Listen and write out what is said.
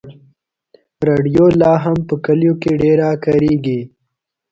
راډیو لا هم په کلیو کې ډېره کارېږي.